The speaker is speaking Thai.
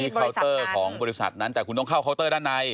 เคาน์เตอร์ของบริษัทนั้นแต่คุณต้องเข้าเคาน์เตอร์ด้านใน